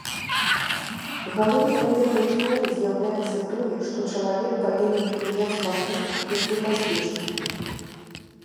Галоўнай тэмай твора з'яўляецца тое, што чалавек павінен прыняць пакуты як непазбежнае.